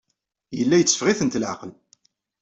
Yella yetteffeɣ-itent leɛqel.